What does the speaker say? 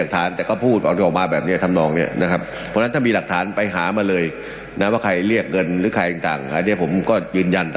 ถ้ามีหลักฐานไปหามาเลยแบบว่าใครเรียกเงินหรือใครอีกจัง